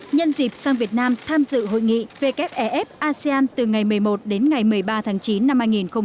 nhân dịp sang việt nam tham dự hội nghị wff asean từ ngày một mươi một đến ngày một mươi ba tháng chín năm hai nghìn một mươi tám